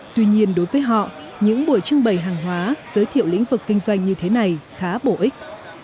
tuy nhiên đối với họ những buổi trưng bày hàng hóa giới thiệu lĩnh vực kinh doanh như thế này khá bổ ích